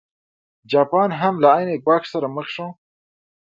جاپان هم له عین ګواښ سره مخ شو.